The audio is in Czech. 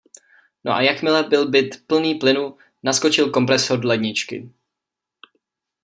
No a jakmile byl byt plný plynu, naskočil kompresor ledničky.